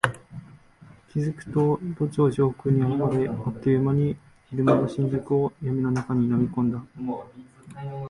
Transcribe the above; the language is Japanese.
気付くと都庁上空に現れ、あっという間に昼間の新宿を闇の中に飲み込んだ。